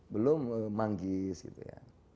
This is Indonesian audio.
belum manggis gitu ya